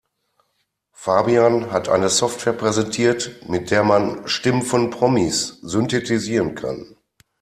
Fabian hat eine Software präsentiert, mit der man Stimmen von Promis synthetisieren kann.